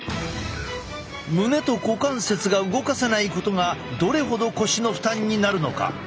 胸と股関節が動かせないことがどれほど腰の負担になるのか。